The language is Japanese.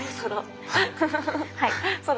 はい。